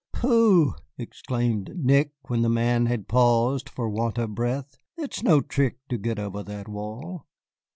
"Pooh!" exclaimed Nick, when the man had paused for want of breath, "it is no trick to get over that wall."